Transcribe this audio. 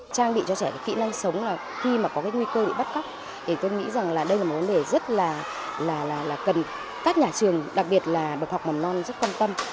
trang bị cho trẻ kỹ năng sống khi có nguy cơ bị bắt cóc tôi nghĩ đây là một vấn đề rất là cần các nhà trường đặc biệt là bậc học mầm non rất quan tâm